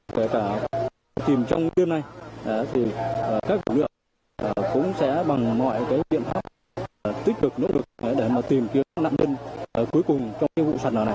kể cả tìm trong game này thì các vụ luyện cũng sẽ bằng mọi cái điện thoại tích cực nỗ lực để mà tìm kiếm nạn nhân cuối cùng trong cái vụ sản lợi này